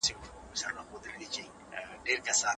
د طبیعي مستو کارول د کولمو د ګټورو باکټریاوو لپاره اړین دي.